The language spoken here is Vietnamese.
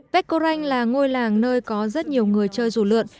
vecco ranh là ngôi làng nơi có rất nhiều người chơi dù lượn